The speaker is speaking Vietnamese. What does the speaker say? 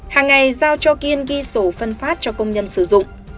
hàng ngày giao cho kiên ghi sổ phân phát cho công nhân sử dụng